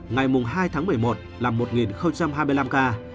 ngày hai tháng một mươi một là một hai mươi năm ca